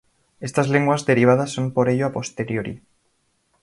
Estas lenguas derivadas son por ello a posteriori.